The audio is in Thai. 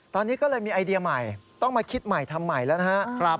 ตอนนี้ก็เลยมีไอเดียใหม่ต้องมาคิดใหม่ทำใหม่แล้วนะครับ